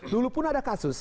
dulu pun ada kasus